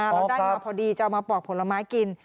เราได้มาพอดีจะเอามาปอกผลไม้กิน